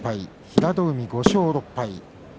平戸海、５勝６敗。